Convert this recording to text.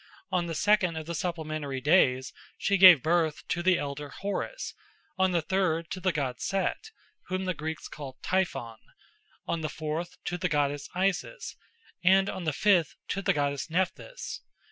On the second of the supplementary days she gave birth to the elder Horus, on the third to the god Set, whom the Greeks called Typhon, on the fourth to the goddess Isis, and on the fifth to the goddess Nephthys.